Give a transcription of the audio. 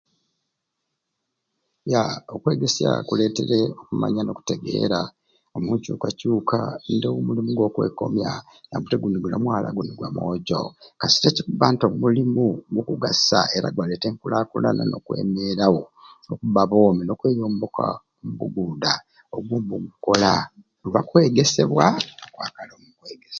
Ya okwegesya kuleetere okumanya n'okutegeera omu nkyukakyuuka ndoowo mulimu gwa kweikomya nambu te guni gwa mwaala guni gwa mwojo kasita kibba nti omulimu gukugasa era gwaleeta enkulaakulana n'okwemeerawo okubba aboomi n'okweomboka buguuda oku kkukola lwakwegesebwa nga okwakaara mubwegesye.